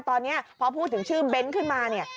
ตอนนี้พอพูดถึงชื่อเบ้นขึ้นมาเนี่ย